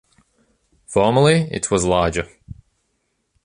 Formerly, it was larger.